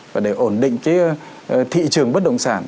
và để ổn định cái thị trường bất động sản